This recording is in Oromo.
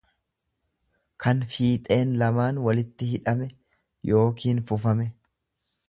kan fiixeen lamaan walitti hidhame yookiin fufame.